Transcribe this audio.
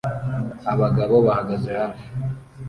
Abagabo bahagaze hafi